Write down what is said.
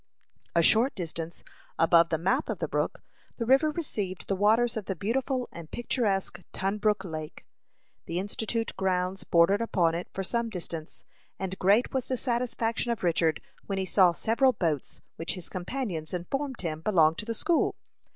A short distance above the mouth of the brook, the river received the waters of the beautiful and picturesque Tunbrook Lake. The Institute grounds bordered upon it for some distance, and great was the satisfaction of Richard when he saw several boats, which his companions informed him belonged to the school.